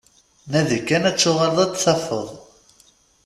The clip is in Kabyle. Nadi kan, ad tuɣaleḍ ad t-tafeḍ.